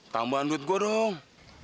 tambahan duit gue dong